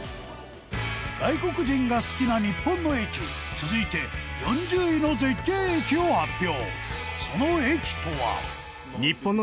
外国人が好きな日本の駅続いて、４０位の絶景駅を発表